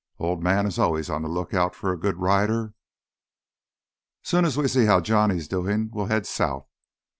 Old Man is always on lookout for a good rider. Soon as we see how Johnny's doin', we'll head south.